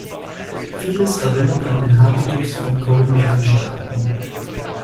Vieles erinnert an den Habitus von Kolonialstaaten.